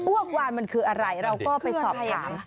กวานมันคืออะไรเราก็ไปสอบถาม